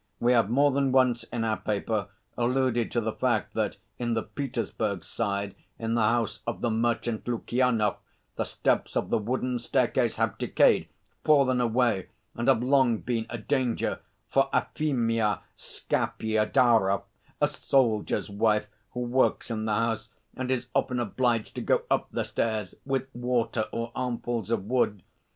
We have more than once in our paper alluded to the fact that in the Petersburg Side in the house of the merchant Lukyanov the steps of the wooden staircase have decayed, fallen away, and have long been a danger for Afimya Skapidarov, a soldier's wife who works in the house, and is often obliged to go up the stairs with water or armfuls of wood.